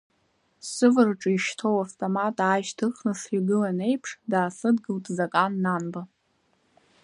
Сывараҿы ишьҭоу автомат аашьҭыхны сҩагылон еиԥш, даасыдгылт Закан Нанба…